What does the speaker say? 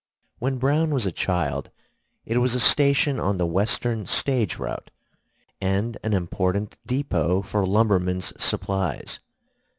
When Browne was a child it was a station on the western stage route, and an important depot for lumbermen's supplies.